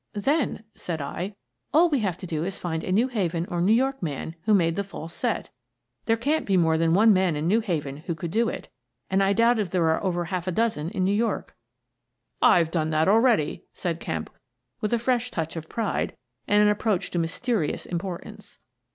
" Then," said I, " all we have to do is to find a New Haven or New York man who made the false set. There can't be more than one man in New Haven who could do it, and I doubt if there are over a half dozen in New York." " I've done that already," said Kemp, with a fresh touch of pride and an approach to mysterious importance.